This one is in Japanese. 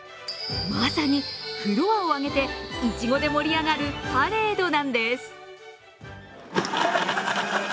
まさにフロアを挙げていちごで盛り上がるパレードなんです。